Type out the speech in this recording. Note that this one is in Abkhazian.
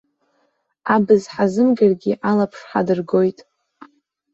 Абз ҳазымгаргьы, алаԥш ҳадыргон.